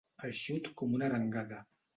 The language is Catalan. Eixut com una arengada.